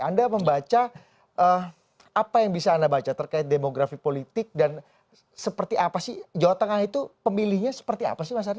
anda membaca apa yang bisa anda baca terkait demografi politik dan seperti apa sih jawa tengah itu pemilihnya seperti apa sih mas ari